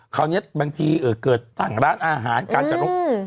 คราวนี้บางทีเกิดต่างร้านอาหารการจัดลบ